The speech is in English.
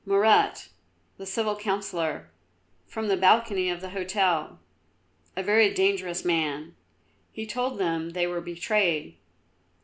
"Moret, the Civic Councillor, from the balcony of the hotel. A very dangerous man! He told them they were betrayed."